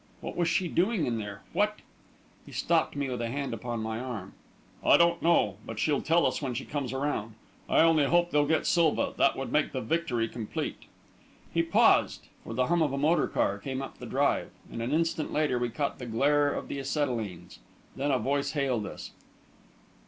What was she doing in there? What ..." He stopped me with a hand upon my arm. "I don't know. But she'll tell us when she comes around. I only hope they'll get Silva. That would make the victory complete." He paused, for the hum of a motor car came up the drive, and an instant later we caught the glare of the acetylenes. Then a voice hailed us.